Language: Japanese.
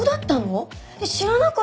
知らなかったよ！